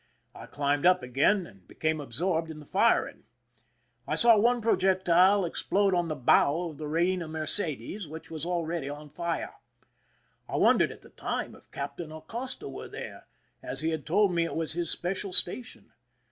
I climbed up again, and became absorbed in the firing. I saw one projectile explode on the bow of the Beina Mercedes^ which was already on fire. I wondered at the time if Captain Acosta were there, as he had told me it was his special station.